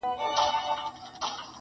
هر اندام يې دوو ټگانو وو ليدلى-